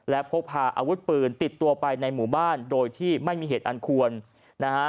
และพกพาอาวุธปืนติดตัวไปในหมู่บ้านโดยที่ไม่มีเหตุอันควรนะฮะ